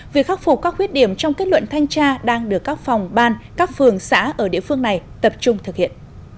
việc khắc phục các khuyết điểm trong kết luận thanh tra đang được các phòng ban các phường xã ở địa phương này tập trung thực hiện